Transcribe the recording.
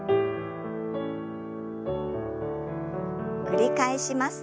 繰り返します。